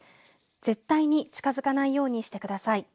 絶対に近づかないようにしてください。